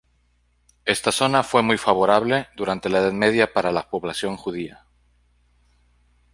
Esta zona fue muy favorable durante la Edad Media para la población judía.